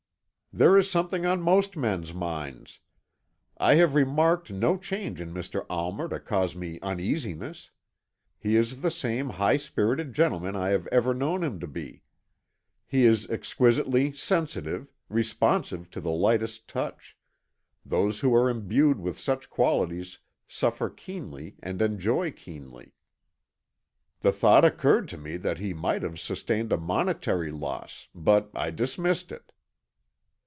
"There is something on most men's minds. I have remarked no change in Mr. Almer to cause me uneasiness. He is the same high minded gentleman I have ever known him to be. He is exquisitely sensitive, responsive to the lightest touch; those who are imbued with such qualities suffer keenly and enjoy keenly." "The thought occurred to me that he might have sustained a monetary loss, but I dismissed it."